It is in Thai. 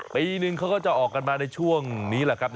ปีนึงเขาก็จะออกกันมาในช่วงนี้แหละครับ